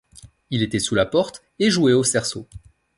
Il était sous la porte et jouait au cerceau.